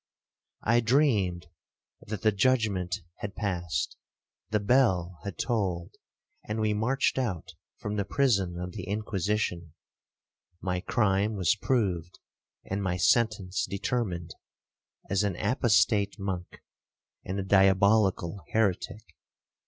I dreamed that the judgement had passed,—the bell had tolled,—and we marched out from the prison of the Inquisition;—my crime was proved, and my sentence determined, as an apostate monk and a diabolical heretic.